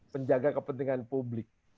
penjaga kepentingan publik